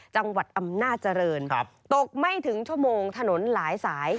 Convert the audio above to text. จังหวัดอำนาจริงตกไม่ถึงชั่วโมงถนนหลายสาย